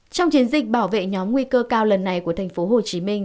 trong chiến dịch bảo vệ nhóm nguy cơ cao lần này của thành phố hồ chí minh